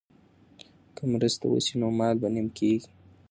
که مرسته وشي نو مال به نیم کیږي.